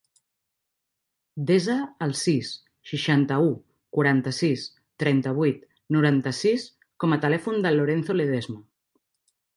Desa el sis, seixanta-u, quaranta-sis, trenta-vuit, noranta-sis com a telèfon del Lorenzo Ledesma.